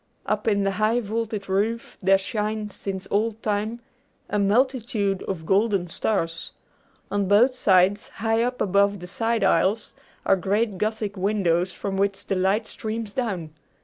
Up in the high vaulted roof there shine, since old time, a multitude of golden stars. On both sides, high up above the side aisles, are great gothic windows from which the light streams down.